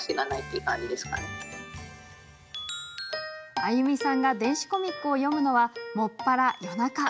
アユミさんが電子コミックを読むのは専ら夜中。